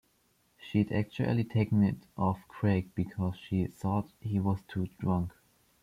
She'd actually taken it off Craig because she thought he was too drunk.